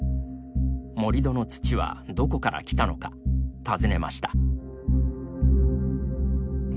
盛り土の土はどこからきたのか尋ねました。